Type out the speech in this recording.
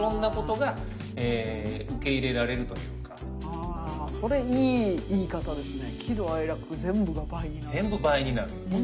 結局それいい言い方ですね。